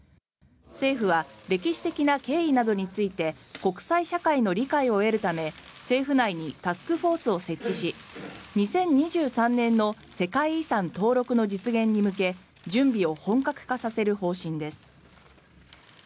政府は歴史的な経緯などについて国際社会の理解を得るため政府内にタスクフォースを設置し２０２３年の世界遺産登録の実現に向け準備を本格化させる方針です。